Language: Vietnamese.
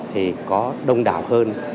thì có đông đảo hơn